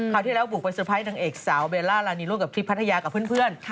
คราวที่แล้วบุกไปสุดพ้ายนางเอกสาวเบลล่าลานีร่วมกับคลิปพัทยากับเพื่อน